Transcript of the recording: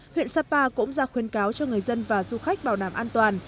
huyện sapa cũng ra khuyên cáo cho người dân và du khách bảo đảm an toàn